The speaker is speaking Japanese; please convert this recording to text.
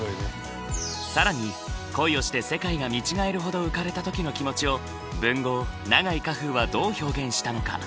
更に恋をして世界が見違えるほど浮かれた時の気持ちを文豪永井荷風はどう表現したのか。